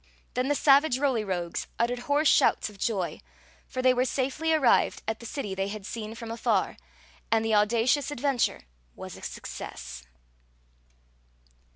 Then the savage Roly Rogues uttered hoarse shouts of joy, for they were safely arrived at the city they had seen from afar, and the audacious adventure was a success.